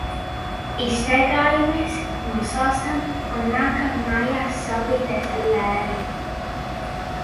Izstaigājamies, nosalstam un nākam mājās sildīties ar tēju.